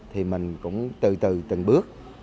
thì mình cũng từ từ từng bước